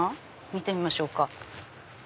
見てみましょうか。